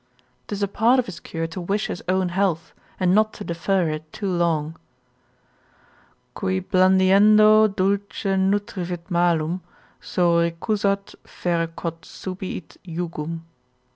'Tis a part of his cure to wish his own health, and not to defer it too long. Qui blandiendo dulce nutrivit malum, Soro recusat ferre quod subiit jugum.